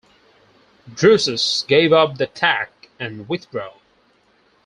Drusus gave up the attack and withdrew.